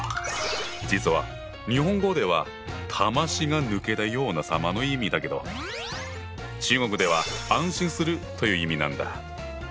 実は日本語では魂が抜けたような様の意味だけど中国では「安心する」という意味なんだ。